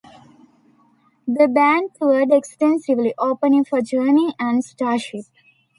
The band toured extensively, opening for Journey and Starship.